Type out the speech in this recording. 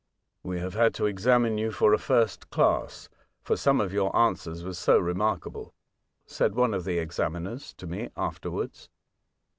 " We have had to examine you for a first class, for some of your answers were so remarkable," said one of the examiners to me afterwards.